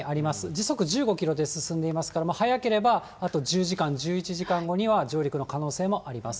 時速１５キロで進んでいますから、早ければ、あと１０時間、１１時間後には上陸の可能性もあります。